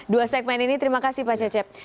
dua segmen ini terima kasih pak cecep